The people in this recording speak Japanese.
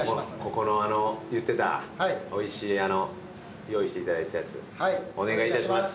ここのあの言ってたおいしい用意していただいてたやつお願いいたします。